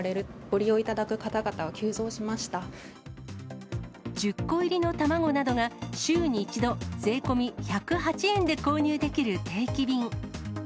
ご利用いただく方々が急増しまし１０個入りの卵などが週に１度、税込み１０８円で購入できる定期便。